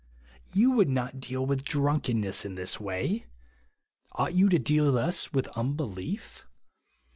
You would not deal with drunkenness in this way ; ought you to deal thus with unbelief?